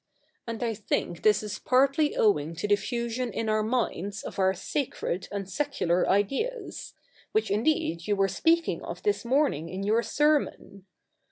And I think this is partly owing to the fusion in our minds of our sacred and secular ideas — which indeed you were speaking of this morning in your sermon.